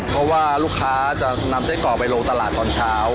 เพราะว่าลูกค้าจะนำไส้กรอกไปลงตลาดตอนเช้า